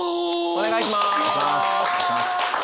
お願いします！